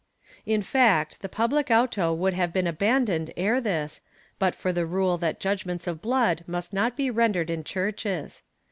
* In fact, the public auto would have been abandoned ere this, but for the rule that judgements of blood must not be rendered in churches.